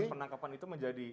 aikem penangkapan itu menjadi